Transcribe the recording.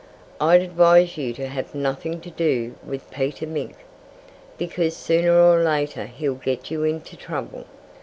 "I'd advise you to have nothing to do with Peter Mink. Because sooner or later he'll get you into trouble....